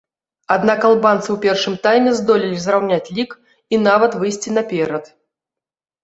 Аднак албанцы ў першым тайме здолелі зраўняць лік і нават выйсці наперад.